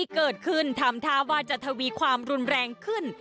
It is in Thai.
ทำท่าว่าจะทวีความรุนแรงขึ้น